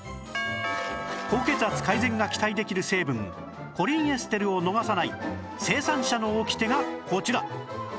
高血圧改善が期待できる成分コリンエステルを逃さない生産者のオキテがこちら